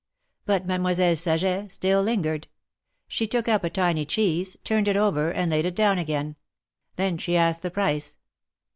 But Mademoiselle Saget still lingered. She took up a tiny cheese, turned it over, and laid it down again. Then she asked the price.